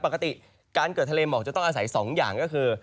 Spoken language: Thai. ปกติการเกิดทะเลหมอกจะต้องอาศัย๒อย่างก็คือ